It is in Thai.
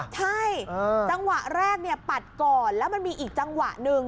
ใช่จังหวะแรกปัดก่อนแล้วมันมีอีกจังหวะหนึ่ง